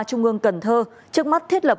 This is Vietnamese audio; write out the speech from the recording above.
trung ương cần thơ trước mắt thiết lập